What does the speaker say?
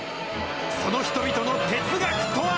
その人々の哲学とは。